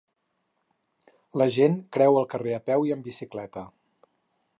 La gent creua el carrer a peu i en bicicleta.